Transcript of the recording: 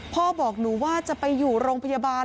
พ่อบอกหนูว่าจะไปอยู่โรงพยาบาล